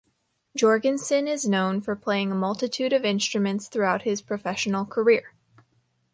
Jourgensen is known for playing a multitude of instruments throughout his professional career.